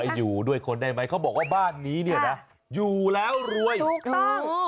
อยู่ด้วยคนได้ไหมเขาบอกว่าบ้านนี้เนี่ยนะอยู่แล้วรวยถูกต้อง